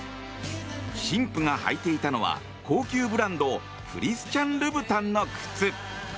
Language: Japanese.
新婦が履いていたのは高級ブランドクリスチャン・ルブタンの靴。